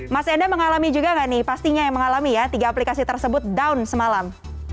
mas enda mengalami juga nggak nih pastinya yang mengalami ya tiga aplikasi tersebut down semalam